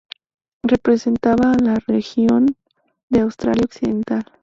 Representaba a la región de Australia Occidental.